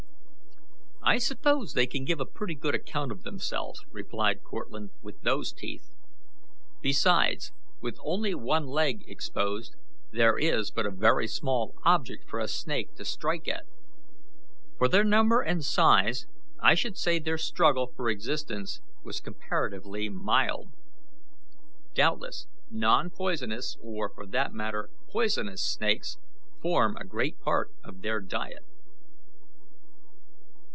"I suspect they can give a pretty good account of themselves," replied Cortlandt, "with those teeth. Besides, with only one leg exposed, there is but a very small object for a snake to strike at. For their number and size, I should say their struggle for existence was comparatively mild. Doubtless non poisonous, or, for that matter, poisonous snakes, form a great part of their diet."